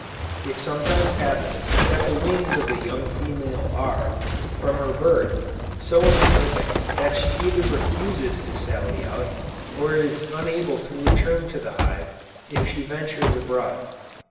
It sometimes happens that the wings of the young female are, from her birth, so imperfect that she either refuses to sally out, or is unable to return to the hive, if she ventures abroad.